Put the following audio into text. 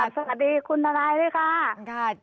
สวัสดีคุณทนายด้วยค่ะ